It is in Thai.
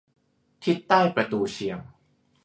ทิศใต้ประตูเชียง